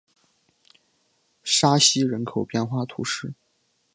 沙西人口变化图示